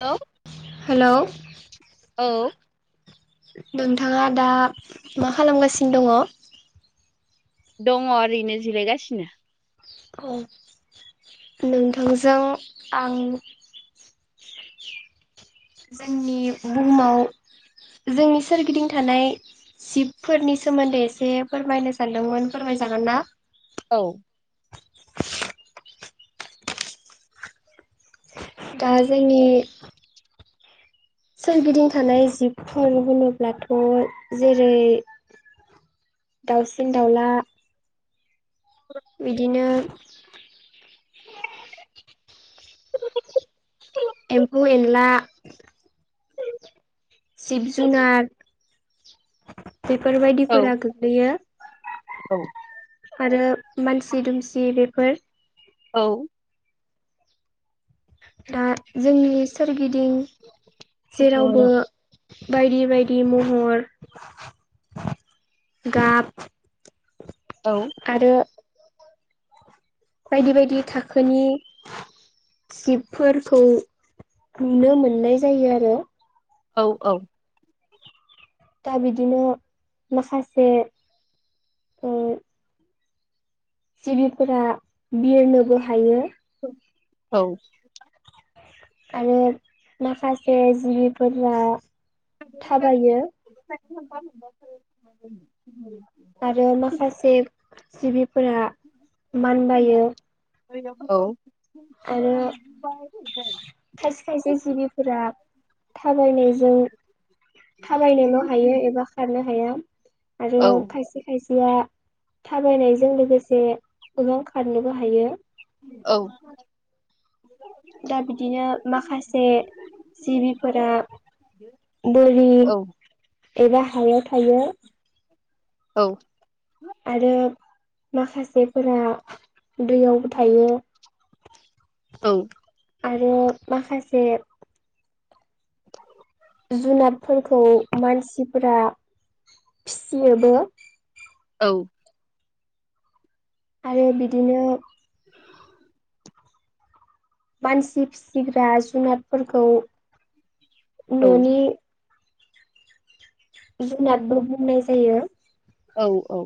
औ हेल' औ नोंथाङा दा मा खालामगासिनो दङ? दङ ओरैनो जिरायगासिनो नोंथांजों आं जोंनि बुहुमाव जोंनि सोरगिदिं थानाय जिशबफोरनि सोमोन्दै एसे फोरमायनो सानदोंमोन फोरमायजागोन ना औ दा जोंनि सोरगिदिं थानाय जिबफोर होनोब्लाथ' जेरै दाउसिन-दावउला [inaudible] बिदिनो एम्फौ-एनला सिब-जुनार औ बेफोरबायदिफोरा गोग्लैयो। औ आरो मानसि दुमसि बेफोर औ। दा जोंनि सोरगिदिं औ औ जेरावबो बायदि बायदि महर, गाब, औ। आरो बायदि बायदि थाखोनि सिबफोरखौ नुनो मोननाय जायो आरो। औ औ। दा बिदिनो माखासे सिबिफोरा बिरनोबो हायो। औ। आरो माखासे जिबिफोरा थाबायो [unintelligible] आरो माखासे जिबिफोरा मानबायो। औ। आरो खायसे खायसे जिबिफोरा थाबायनायजों थाबायनोल' हायो एबा खारनो हाया आरो खायसे खायसेया थाबायनायजों लोगोसे उरं खारनोबो हायो। औ। दा बिदिनो माखासे जिबिफोरा बोरि एबा हायाव थायो। औ। आरो माखासेफोरा दैयावबो थायो। औ। आरो माखासे जुनादफोरखौ मानसिफोरा फिसियोबो। औ। आरो बिदिनो [inaudible] मानसि फिसिग्रा जुनादफोरखौ न'नि जुनादबो बुंनाय जायो। औ औ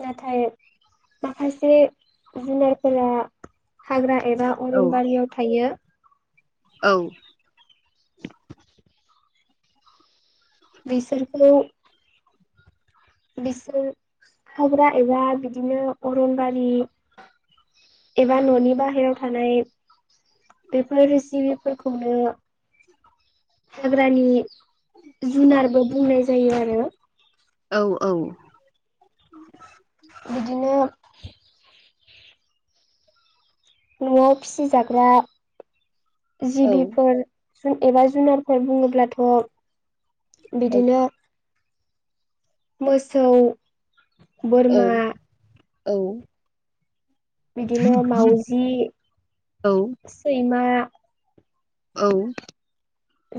नाथाय माखासे जुनारफोरा हाग्रा एबा अरनबारियाव थायो। औ [inaudible] बेसोरखौ बिसोर हाग्रा एबा बिदिनो अरनबारि एबा न'नि बाहेरायाव थानाय बेफोर जिबिफोरखौनो हाग्रानि जुनारबो बुंनाय जायो आरो। औ औ बिदिनो न'आव फिसिजाग्रा जिबिफोर जुन एबा जुनारफोर बुंङोब्लाथ' बिदिनो मोसौ औ बोरमा औ बिदिनो माउजि सैमा औ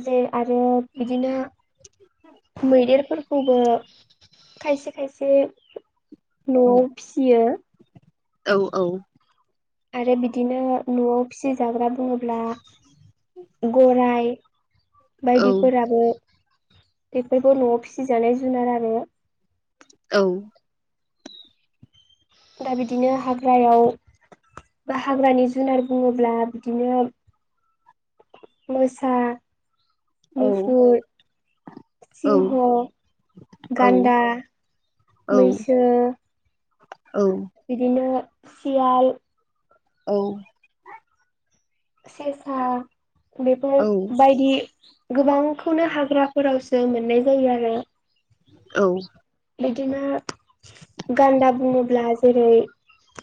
जे आरो बिदिनो [inaudible] मैदेरफोरखौबो खायसे खायसे न'आव फिसियो औ औ आरो बिदिनो न'आव फिसिजाग्रा बुंङोब्ला गराय बायदिफोराबो बेफोरखौ न'आव फिसिजानाय जुनार आरो। औ दा बिदिनो हाग्रायाव बा हाग्रानि जुनार बुंङोब्ला बिदिनो मोसा औ मुफुर औ सिंह औ गान्दा औ मैसो औ बिदिनो सियाल औ सेसा औ बेफोरबायायदि गोबांखौनो हाग्राफोराव जों मोननाय जायो आरो। औ बिदिनो गान्दा बुंङोब्ला जेरै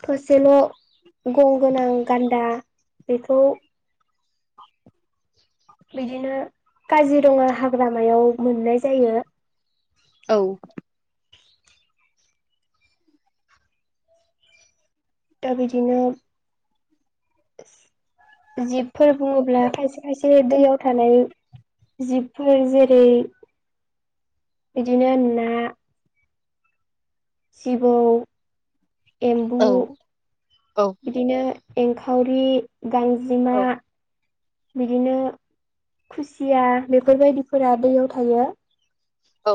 फसेल' गं गोनां गान्दा बेखौ [inaudible] बिदिनो काजिरंङा हाग्रामायाव मोननाय जायो। औ दा बिदिनो जिबफोर बुंङोब्ला खायसे खायसे दैयाव थानाय जिबफोर जेरै बिदिनो ना जिबौ एम्बु औ औ बिदिनो एंखावरि गांजेमा बिदिनो खुसिया बेफोरबायदिफोरा दैयाव थायो। औ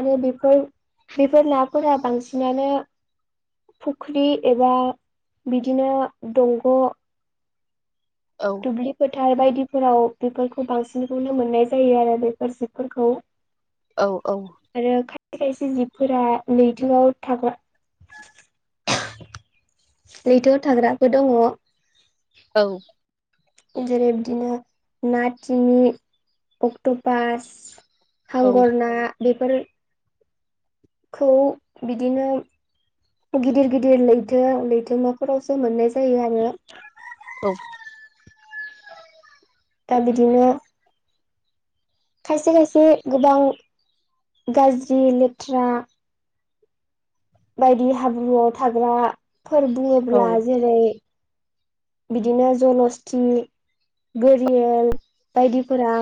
आरो बेफोर बेफोर नाफोरा बांसिनानो फुख्रि एबा बिदिनो दंग' औ दुब्लि फोथार बायदिफोराव बेफोरखौ बांसिनखौनो मोननाय जायो आरो बेफोर सिबफोरखौ [inaudible] औ औ। आरो खायसे खायसे जिबफोरा लैथोआव थाग्रा लैथोआव थाग्राबो दंङो औ जेरै बिदिनो नाथिनि अक्ट' पास औ हांगर ना बेफोर खौ बिदिनो गिदिर गिदिर लैथो लैथोमाफोरावसो मोननाय जायो आङो औ दा बिदिनो खायसे खायसे गोबां गाज्रि लेथ्रा बायदि हाब्रुआव थाग्राफोर बुङोब्ला जेरै बिदिनो जलस्थि गोरियेल बायदिफोरा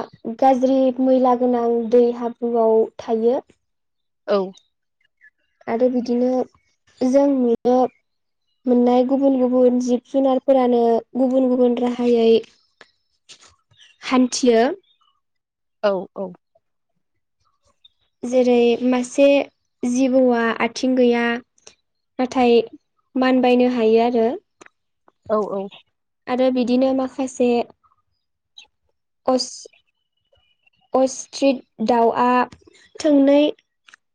गाज्रि मैला गोनां दै हाब्रुआव थायो। औ आरो बिदिनो जों नु मोननाय गुबुन गुबुन जिब जुनारफोरानो गुबुन गुबुन राहायै हान्थियो। औ औ। जेरै मासे जिबौआ आथिं गैया नाथाय मानबायनो हायो आरो औ औ। आरो बिदिनो माखासे अ अस्ट्रिट दाउआ थोंनै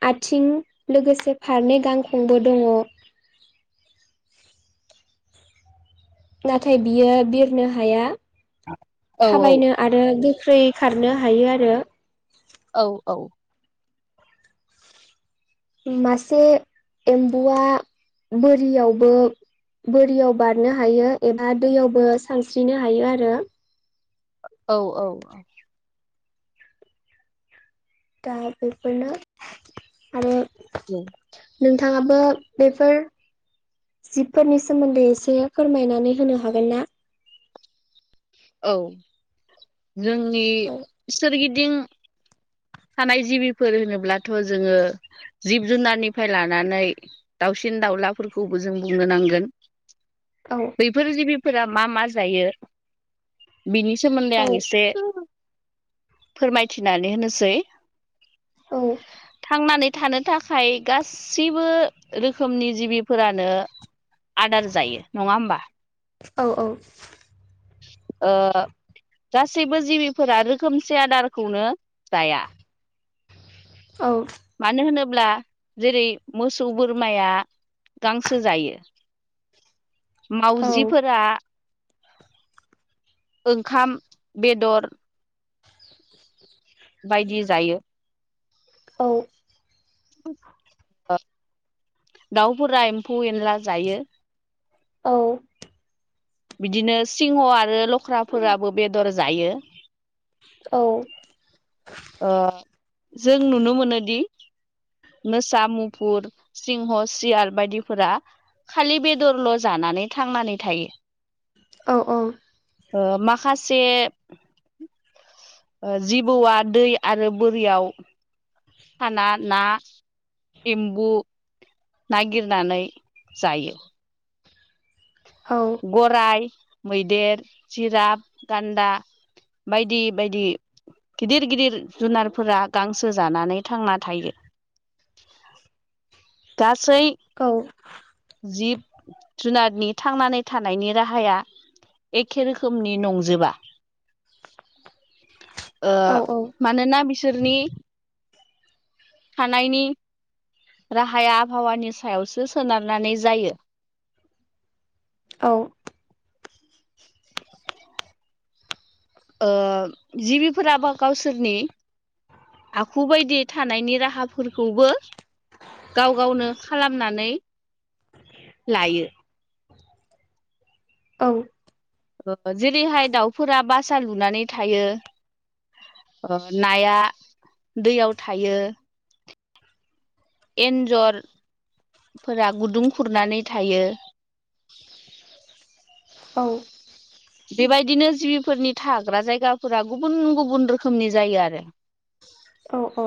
आथिं लोगोसे फारनै गांखंबो दङ। नाथाय बियो बिरनो हाया थाबायनो आरो गोख्रै खारनो हायो आरो। औ औ। मासे एम्बुआ बोरियावबो बोरियाव बारनो हायो एबा दैयावबो सानस्रिनो हायो आरो। औ औ औ। दा बेफोरनो आरो नोंथाङाबो बेफोर जिबफोरनि सोमोन्दै एसे फोरमायनानै होनो हागोन ना? औ जोंनि औ सोरगिदिं थानाय जिबिफोर होनोब्लाथ' जोङो जिब जुनारनिफ्राय लानानै दाउसिन दाउलाफोरखौबो जों बुंनो नांगोन। औ बैफोर जिबिफोरा मा मा जायो। बिनि सोमोन्दै आं एसे फोरमायथिनानै होनोसै। औ थांनानै थानो थाखाय गाैबो रोखोमनि जिबिफोरानो आदार जायो नङा होमबा? औ औ। ओ गासैबो जिबिफोरा रोखोमसे आदारखौनो जाया। औ मानो होनोब्ला जेरै मोसौ बोरमाया गांसो जायो। [inaudible] औ मावजिफोरा ओंखाम बेदर। बायदि जायो औ [inaudible] दाउफोरा एम्फौ एनला जायो। औ बिदिनो सिंह आरो लख्राफोराबो बेदर जायो। औ जों नुनो मोनोदि मोसा मुफुर सिंह सियार बायदिफोरा खालि बेदरल' जानानै थांनानै थायो। औ औ माखासे जिबौआ दै आरो बोरियाव फाना ना एम्बु नागिरनानै जायो। औ गराइ मैदेर जिराब गान्दा। बायदि बायदि। गिदिर गिदिर जुनारफोरा गांसो जानानै थांना थायो। गासै औ। जिब जुनारनि थांनानै थानायनि राहाया। एखे रोखोमनि नंजोबा औ मानोना बिसोरनि थानायनि राहाया आबहावानि सायावसो सोनारनानै जायो। औ जिबिफोराबा गावसोरनि आखु बायदि थानायनि राहाफोरखौबो। गाव गावनो खालामनानै लायो। औ। जेरैहाय दाउफोरा बासा लुनानै थायो। नाया दैयाव थायो। एन्जरफोरा गुदुं खुरनानै थायो। औ। बेबायदिनो जिबिफोरनि थाग्रा जायगाफोरा गुबुन गुबुन रोखोमनि जायो आरो। औ औ।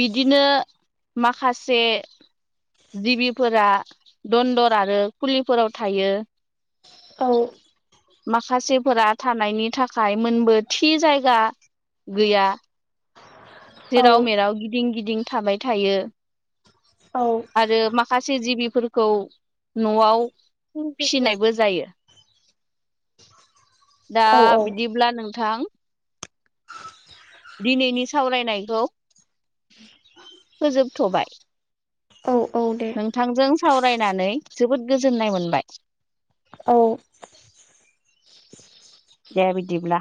बिदिनो माखासे जिबिफोरा दनन्दर आरो खुलिफोराव थायो। औ माखासेफोरा थानायनि थाखाय मोनबो थि जायगा गैया जेराव मेराव गिदिं गिदिं थाबाय थायो। औ। आरो माखासे जिबिफोरखौ न'आव फुं फिसिनायबो जायो। [inaudible] दा औ बिदिब्ला नोंथां। दिनैनि सावरायनायखौ फोजोबथ'बाय। औ औ दे नोंथांजों सावरायनानै जोबोद गोजोननाय मोनबाय। औ दे बिदिब्ला।